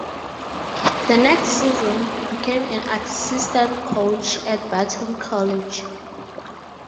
The next season, he became an assistant coach at Barton College.